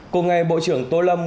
cùng ngày bộ trưởng tô lâm